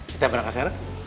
kita berangkat sekarang